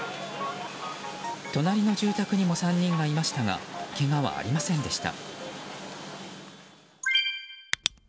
隣の住宅にも３人がいましたがけがはありませんでした。